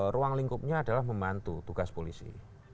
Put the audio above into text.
ruang lingkupnya adalah membantu tugas polisi